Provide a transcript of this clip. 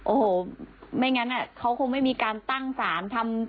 โอ้โหไม่งั้นเขาคงไม่มีการตั้งสารทำ